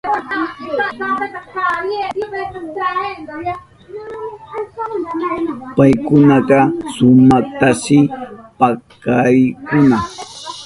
Paykunaka sumaktashi pakarkakuna.